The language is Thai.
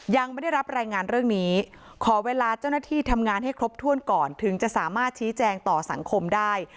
ยังไม่ได้รับรายงานเรื่องนี้ขอเวลาเจ้าหน้าที่ทำงานให้ครบถ้วนก่อนถึงจะสามารถชี้แจงต่อสังคมได้